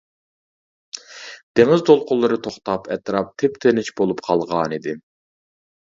دېڭىز دولقۇنلىرى توختاپ، ئەتراپ تىپتىنچ بولۇپ قالغانىدى.